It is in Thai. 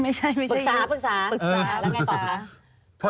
ไม่ใช่อยู่ปรึกษาแล้วไงต่อค่ะ